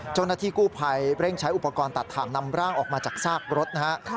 เจ้าหน้าที่กู้ภัยเร่งใช้อุปกรณ์ตัดถ่างนำร่างออกมาจากซากรถนะฮะ